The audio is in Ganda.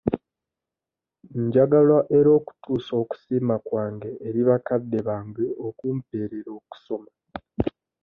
Njagala era okutuusa okusiima kwange era bakadde bange okumpeerera okusoma.